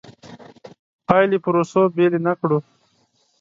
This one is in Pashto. پایلې پروسو بېلې نه کړو.